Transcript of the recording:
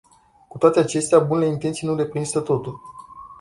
Cu toate acestea, bunele intenții nu reprezintă totul.